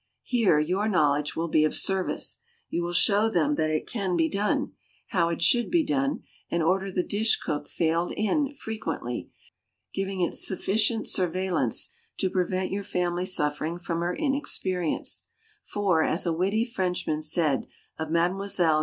Here your knowledge will be of service; you will show them that it can be done, how it should be done, and order the dish cook failed in, frequently, giving it sufficient surveillance to prevent your family suffering from her inexperience; for, as a witty Frenchman said of Mme.